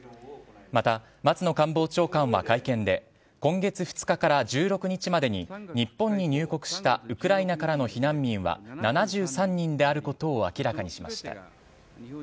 また、松野官房長官は会見で今月２日から１６日までに日本に入国したウクライナからの避難民は７３人であることを明らかにしました。